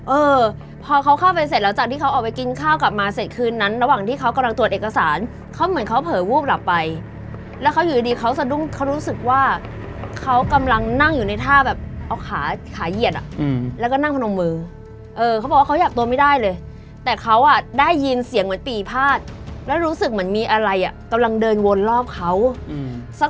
เออพอเขาเข้าไปเสร็จหลังจากที่เขาออกไปกินข้าวกลับมาเสร็จคืนนั้นระหว่างที่เขากำลังตรวจเอกสารเขาเหมือนเขาเผลอวูบหลับไปแล้วเขาอยู่ดีดีเขาสะดุ้งเขารู้สึกว่าเขากำลังนั่งอยู่ในท่าแบบเอาขาขาเหยียดอ่ะอืมแล้วก็นั่งพนมมือเออเขาบอกว่าเขาอยากตัวไม่ได้เลยแต่เขาอ่ะได้ยินเสียงเหมือนปีพาดแล้วรู้สึกเหมือนมีอะไรอ่ะกำลังเดินวนรอบเขาอืมสัก